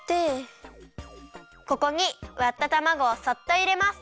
ここにわったたまごをそっといれます。